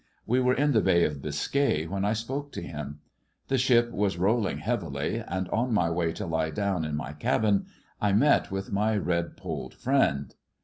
We were in the Bay of Biscay when I spoke to him. The ship was rolling heavily, and on my way to lie down in my cabin, I met with my red polled friend.